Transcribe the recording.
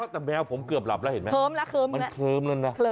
แต่แมวผมเกือบหลับเล่นเหมือนแบบนั้น